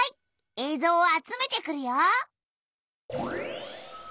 えいぞうを集めてくるよ。